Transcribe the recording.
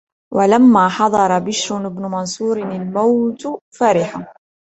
وَلَمَّا حَضَرَ بِشْرَ بْنَ مَنْصُورٍ الْمَوْتُ فَرِحَ